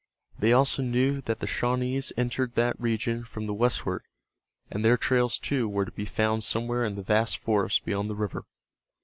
They also knew that the Shawnees entered that region from the westward, and their trails, too, were to be found somewhere in the vast forest beyond the river.